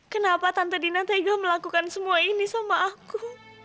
kenapa tante dina tega melakukan semua ini sama aku